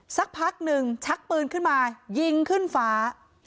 สักพักหนึ่งชักปืนขึ้นมายิงขึ้นฟ้า